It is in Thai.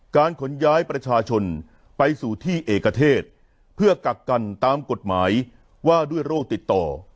ขนย้ายประชาชนไปสู่ที่เอกเทศเพื่อกักกันตามกฎหมายว่าด้วยโรคติดต่อ